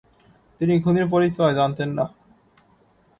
তিনি খুনির পরিচয় জানতেন না।